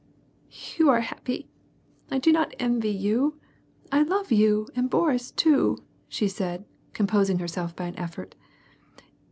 "You are happy — I do not envy you — I love you and Boris too," said she, composing herself by an effort.